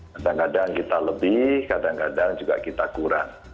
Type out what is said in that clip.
kadang kadang kita lebih kadang kadang juga kita kurang